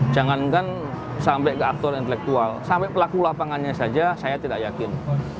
jangankan sampai ke aktor intelektual sampai pelaku lapangannya saja saya tidak yakin